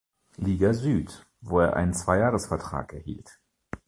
Liga Süd, wo er einen Zweijahres-Vertrag erhielt.